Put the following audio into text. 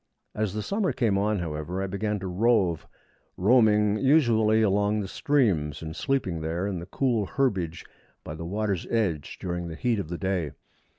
As the summer came on, however, I began to rove, roaming usually along the streams, and sleeping there in the cool herbage by the water's edge during the heat of the day.